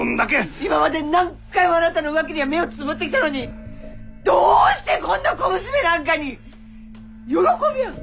今まで何回もあなたの浮気には目をつぶってきたのにどうしてこんな小娘なんかに。喜び合う？